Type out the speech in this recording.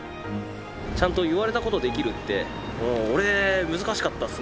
ちゃんと言われたことをできるって俺難しかったですね。